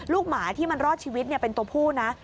ลูกหมาที่มันรอดชีวิตเนี่ยเป็นตัวผู้นะ